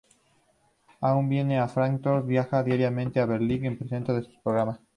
Aún vive en Fráncfort y viaja diariamente a Berlín a presentar sus programas.